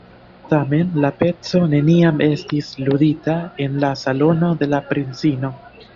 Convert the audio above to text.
Tamen la peco neniam estis ludita en la salono de la princino.